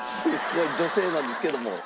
女性なんですけども。